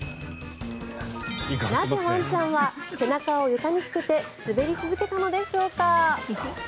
なぜワンちゃんは背中を床につけて滑り続けたのでしょうか。